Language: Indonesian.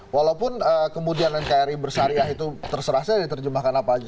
walaupun kemudian nkri bersyariah itu terserah saya diterjemahkan apa aja